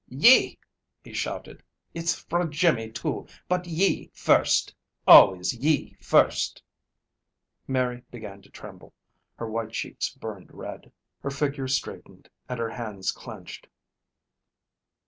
"Ye!" he shouted. "It's fra Jimmy, too, but ye first. Always ye first!" Mary began to tremble. Her white cheeks burned red. Her figure straightened, and her hands clenched.